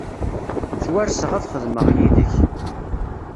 Ttwarseɣ ad xedmeɣ yid-k.